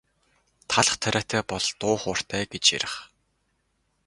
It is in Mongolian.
Талх тариатай бол дуу хууртай гэж ярих.